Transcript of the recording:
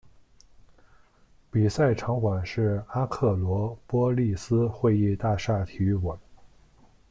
比赛场馆是阿克罗波利斯会议大厦体育馆。